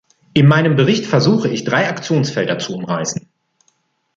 In meinem Bericht versuche ich drei Aktionsfelder zu umreißen.